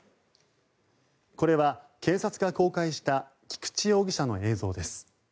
これは、警察が公開した菊池容疑者の映像です。